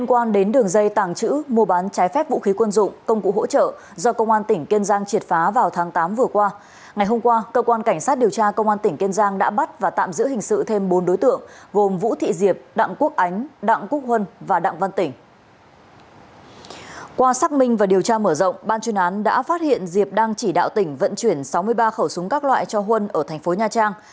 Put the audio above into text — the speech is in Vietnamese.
qua xác minh và điều tra mở rộng ban chuyên án đã phát hiện diệp đang chỉ đạo tỉnh vận chuyển sáu mươi ba khẩu súng các loại cho huân ở thành phố nha trang